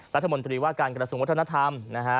รัฐมนตรีว่าการกระทรวงวัฒนธรรมนะฮะ